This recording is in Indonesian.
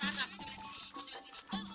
alhamdulillah saya sihat pak